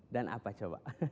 dan apa coba